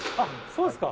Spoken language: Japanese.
そうですか。